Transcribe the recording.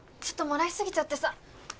ちょっともらい過ぎちゃってさ。